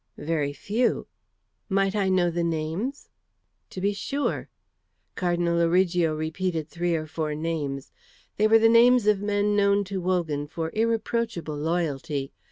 "Very few." "Might I know the names?" "To be sure." Cardinal Origo repeated three or four names. They were the names of men known to Wogan for irreproachable loyalty.